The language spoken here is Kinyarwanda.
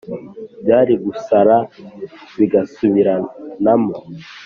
Byari gusara bigasubiranamo